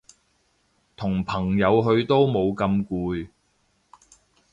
同朋友去都冇咁攰